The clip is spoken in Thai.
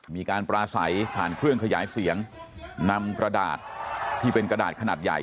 มีการปราศัยผ่านเครื่องขยายเสียงนำกระดาษที่เป็นกระดาษขนาดใหญ่